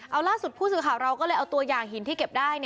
เอาล่าสุดผู้สื่อข่าวเราก็เลยเอาตัวอย่างหินที่เก็บได้